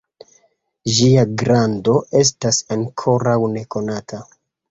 Ĝia grando estas ankoraŭ nekonata.